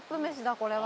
これは。